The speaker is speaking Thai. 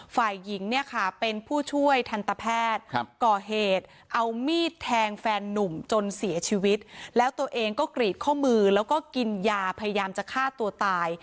ฝ่ายหญิงเนี่ยค่ะเป็นผู้ช่วยทันตแพทย์ก่อเหตุเอามีดแทงแฟนนุ่มจนเสียชีวิตแล้วตัวเองก็กรีดข้อมือแล้วก็กินยาพยายามจะฆ่าตัวตาย